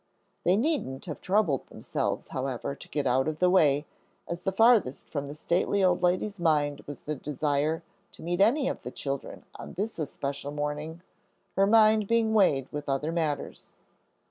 They needn't have troubled themselves, however, to get out of the way, as the farthest from the stately old lady's mind was the desire to meet any of the children on this especial morning, her mind being weighted with other matters.